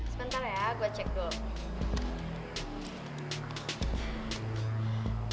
sebentar ya gue cek dulu